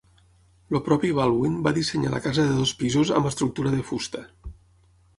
El propi Baldwin va dissenyar la casa de dos pisos amb estructura de fusta.